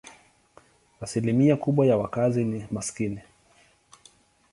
Asilimia kubwa ya wakazi ni maskini.